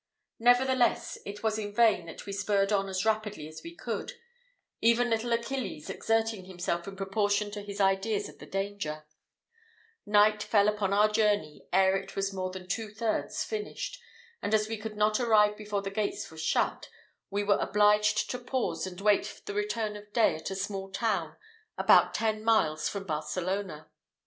Nevertheless, it was in vain that we spurred on as rapidly as we could, even little Achilles exerting himself in proportion to his ideas of the danger; night fell upon our journey ere it was more than two thirds finished, and as we could not arrive before the gates were shut, we were obliged to pause and await the return of day at a small town about ten miles from Barcelona.